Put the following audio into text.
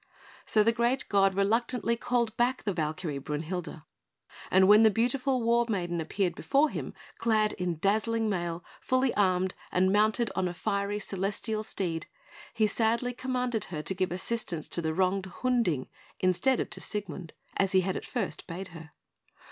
So the great god reluctantly called back the Valkyrie, Brünhilde; and when the beautiful war maiden appeared before him, clad in dazzling mail, fully armed and mounted on a fiery celestial steed, he sadly commanded her to give assistance to the wronged Hunding, instead of to Siegmund, as he had at first bade her.